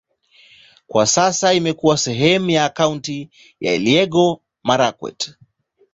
Kwa sasa imekuwa sehemu ya kaunti ya Elgeyo-Marakwet.